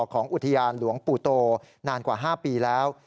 ของอุทยานหลวงปู่โตนานกว่า๕ปีแล้ว